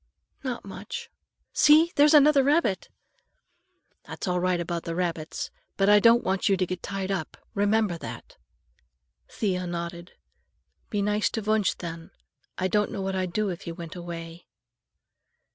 "Not much. See, there's another rabbit!" "That's all right about the rabbits, but I don't want you to get tied up. Remember that." Thea nodded. "Be nice to Wunsch, then. I don't know what I'd do if he went away."